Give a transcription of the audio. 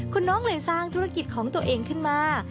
คุณน้องเลยสร้างธุรกิจของตัวเองขึ้นมา